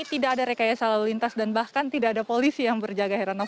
tidak ada rekayasa lalu lintas dan bahkan tidak ada polisi yang berjaga heranov